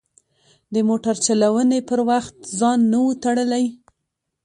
د موټر چلونې پر وخت ځان نه و تړلی.